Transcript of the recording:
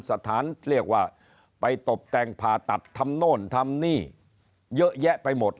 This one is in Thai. สถานเรียกว่าไปตบแต่งผ่าตัดทำโน่นทำนี่เยอะแยะไปหมด